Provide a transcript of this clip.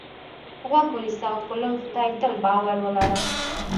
غوږ ونیسه او په لوی خدای تل باور ولره.